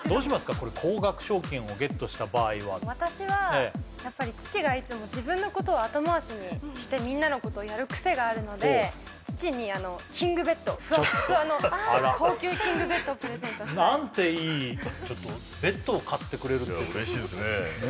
これ高額賞金をゲットした場合は私はやっぱり父がいつも自分のことは後回しにしてみんなのことやるくせがあるので父にキングベッドふわっふわの高級キングベッドをプレゼントしたい何ていいベッドを買ってくれるっていや嬉しいですね